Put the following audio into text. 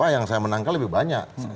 yang saya menangkan lebih banyak